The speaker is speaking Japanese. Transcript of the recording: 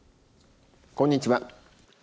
こんにちは。